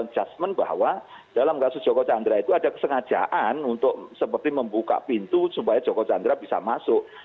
adjustment bahwa dalam kasus joko chandra itu ada kesengajaan untuk seperti membuka pintu supaya joko chandra bisa masuk